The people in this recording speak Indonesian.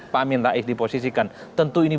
pak amin rais diposisikan tentu ini